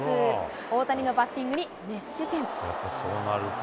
大谷のバッティングに熱視線。